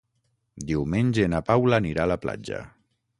Diumenge na Paula anirà a la platja.